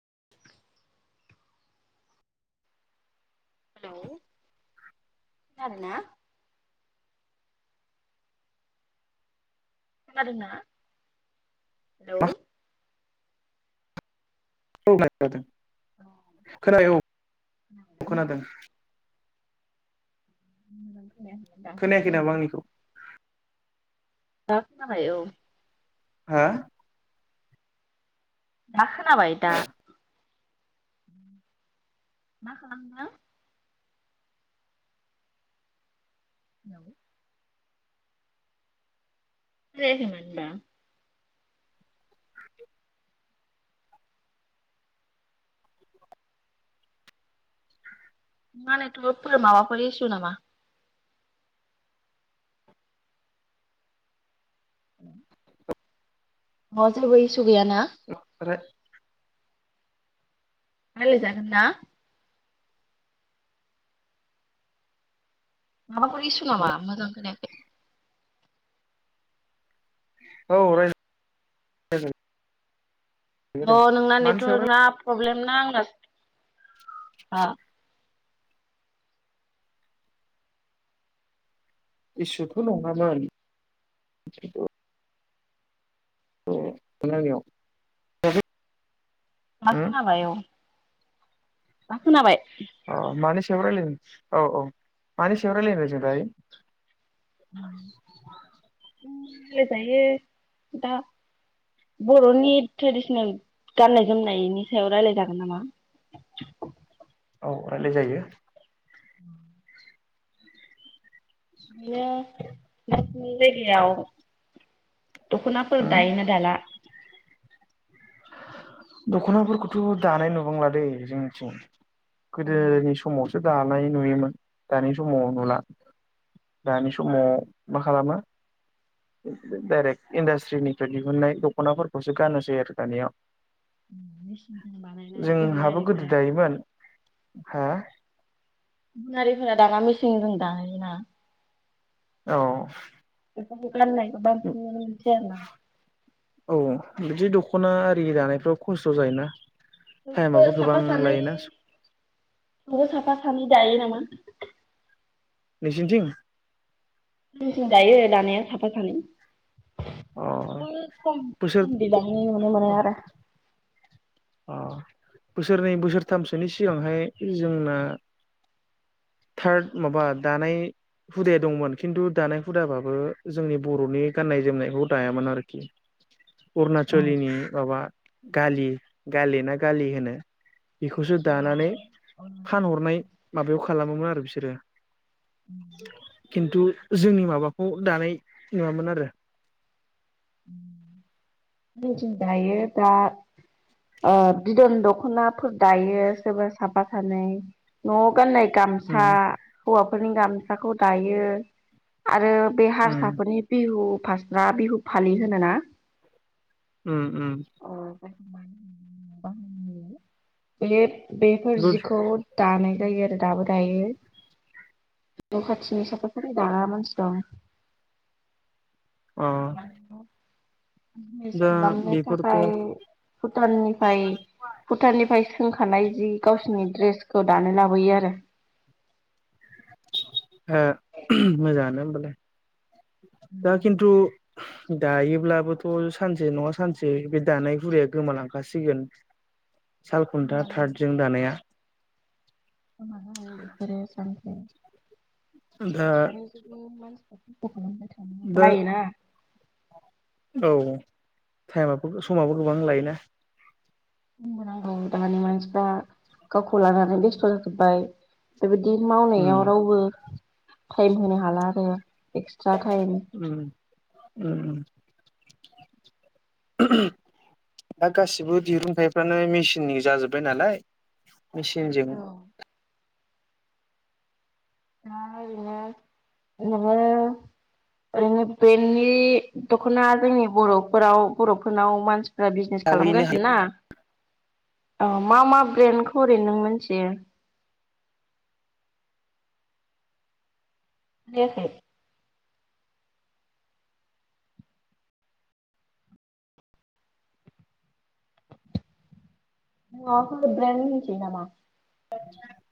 [inaudible] Hello खोनादोंना? खोनादोंना hello? मा [unintelligible] खोनायो औ औ खोनादों। [inaudible] दा खोनायाखै नामा आंनिखौ? दा जाबाय औ। हा दा खोनाबाय दा। मा खालाम नो? हेलौ खोनायाखै मोनबा [inaudible] मा नेतर्वकफोर माबाफोर इसु नामा? हेलौ [unintelligible] गैयाना। रायलाय जागोन ना? माबाफोर इसु नामा मोजां खोनायाखै। औ राय जागोन औ नोंना नेटवर्क राय ना प्रब्लेम नां आंनास ओ इसुथ नङामोन औ [unintelligible] दा खोनाबाय औ दा खोनाबाय? अ मानेस सायाव रायलायनि औ औ मानिसायाव रायलाय नो जों दायो? रायलाय जायो। दा बर'नि ट्रेडिसनेल गाननाय जोमनायनि सायाव रायलाय जागोन नामा? औ रायलाय जायो। [inaudible] बिदिनो नोंसिनि जायगायाव। दख नाफोर दायोना दाला? दख नाफोरखौथ दानाय नुबांला दै जोंनिथिं। गोदोनि समाव दानाय नुयोमोन दानि समाव नुला दानि समाव मा खालामो [unintelligible] डाइरेक्ट इन्डासट्रिनिफ्राय दिहुननाय दख'नाफोरखौसो गानसै आरो दानिया। मेसिन जों बानायनाय गुबुन जोंहाबो गोदो हारिफोरा दायोमोन हा? गुबुन हारिफोरा दाना मिसिंजों दायोना। औ [unintelligible] [unintelligible] बांसिन नुनो मोनसै आरोना ख'ना आरि दानायफ्राव खस्थ' जायोना नोंबो टाइमाबो साफा गोबां सानै लायोना नोंबो साफा सानै जायो नामा नोंसिनिथिं जोंनिथिं दायो दानाया साफा सानै अ खम बोसोर खम बिबां नि नुनो मोनो आरो। अ बोसोरनै बोसोरथामसोनि सिगांहाय जोंना थार्द माबा दानाय हुदाया दंमोन खिन्थु दानाय हुदाबाबो जोंनि बर'नि गाननाय जोमनायखौ दायामोन आरोखि औ अरुणचलिनि माबा गालि गाले ना गालि होनो? बेखौसो दानानै फानहरनाय माबायाव खालामो मोन आरो बिसोर सोरो? खिन्थु जोंनि मा माबाखौ दानाय नङामोन आरो जोंनिथिं दायो दा ओ बिदन द खनाफोर दायो सोरबा साफा सानै नआव गाननाय उम गामसा हौवा फोरनि गामसाखौ दायो आरो बे उम हारसाफोरनि बिहु फास्रा बिहु फालि होनोना उम उम बेयो बेफोर गुद जिखौ दानाय जायो आरो दाबो दायो न खाथिनि साफा सानै दाग्रा मानसि दं अ [unintelligible] बिजनेस दा खालामनो बेफोरथ' ओ थाखाय भुटाननिफाय भुटाननिफाय सोंखानाय जि गावसोरनि ड्रेस दानो लाबोयो आरो हो उम मोजांआनो ओमबालाय दा खिनथु दायोब्लाबोथ सानसे नङा सानसे बे दानाय हुदाया गोमालांखासिगोन सालखुन्था होमबालाय थार्दजों दानाया [unintelligible] बेफोरो सानसे दा दानि जुगनि मानसिफोर [unintelligible] [unintelligible] दा बायोना औ टाइमआबो समाबो गोबां लायोना बुंबोनांगौ दानि मानसिफ्रा गावखौ लानानै बेस्थ जाजोब्बाय बेबायदि उम मावनायाव रावबो टाइम होनो हाला आरो एक्सट्रा टाइम उम उम [unintelligible] दा गासिबो दिरुंथाइफ्रानो मेचिननि जाजोबबाय नालाय मेचिनजों दा दा ओरैनो नोङो ओरैनो बेनि दखना जोंनि बरफोराव बरफोरनाव मानसि बिजनेस थाबैनो खालामगासिनो ना औ मा मा ब्रेन्डखौ ओरै नों मिथियो खोनायाखै माबाफोर ब्रेननि मिथियो नामा नोंथां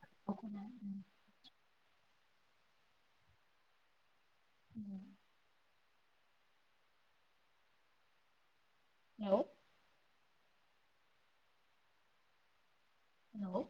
[unintelligible] [inaudible] हेलो नंगौ